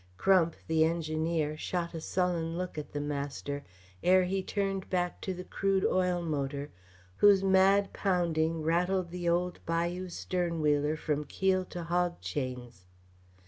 Crump, the engineer, shot a sullen look at the master ere he turned back to the crude oil motor whose mad pounding rattled the old bayou stern wheeler from keel to hogchains.